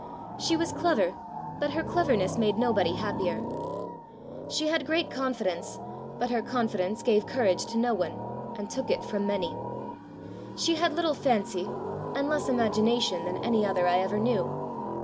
She was clever, but her cleverness made nobody happier; she had great confidence, but her confidence gave courage to no one, and took it from many; she had little fancy, and less imagination than any other I ever knew.